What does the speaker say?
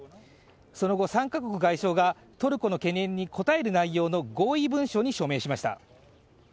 その後、３カ国外相が、トルコの懸念にこたえる内容の合意文書に署名しました。